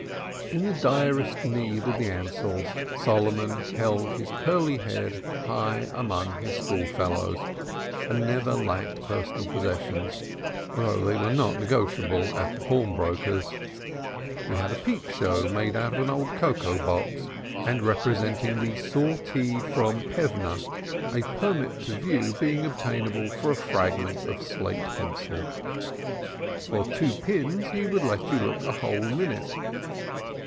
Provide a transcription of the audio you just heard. In the direst need of the Ansells Solomon held his curly head high among his school fellows, and never lacked personal possessions, though they were not negotiable at the pawnbroker's. He had a peep show, made out of an old cocoa box, and representing the sortie from Plevna, a permit to view being obtainable for a fragment of slate pencil. For two pins he would let you look a whole minute.